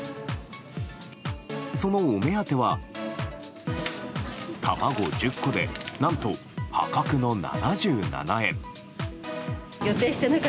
そのお目当ては卵１０個で何と破格の７７円。